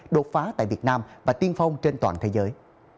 đột phá tại việt nam và tiên phong trên toàn thế giới